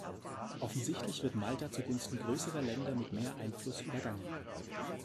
Offensichtlich wird Malta zugunsten größerer Länder mit mehr Einfluss übergangen.